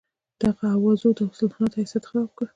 دغو اوازو د سلطنت حیثیت خراب کړ.